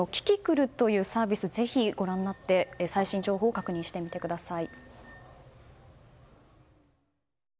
気象庁のキキクルというサービスをぜひご覧になって最新情報を確認してみてください。